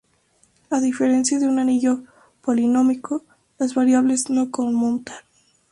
A diferencia de un anillo polinómico, las variables no conmutan.